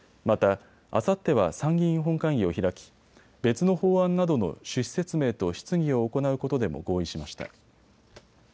また、あさっては参議院本会議を開き別の法案などの趣旨説明と質疑を行うことでも合意しました。